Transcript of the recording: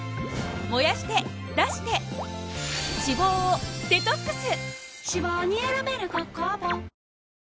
燃やして出して脂肪をデトックス！